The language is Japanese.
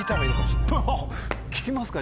聞きますか？